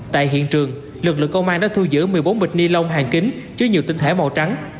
tại hiện trường lực lượng công an đã thu giữ một mươi bốn bịch ni lông hàng kính chứa nhiều tinh thể màu trắng